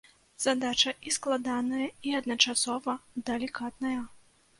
Задача і складаная, і адначасова далікатная.